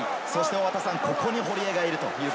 ここに堀江がいる。